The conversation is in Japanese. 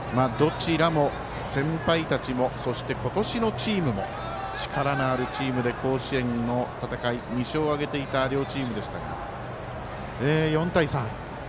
どちらも先輩たちも今年のチームも力のあるチームで甲子園の戦い、２勝を挙げていた両チームでしたが４対３。